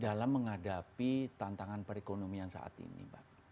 dalam menghadapi tantangan perekonomian saat ini